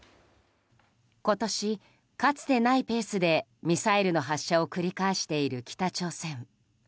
今年、かつてないペースでミサイルの発射を繰り返している北朝鮮。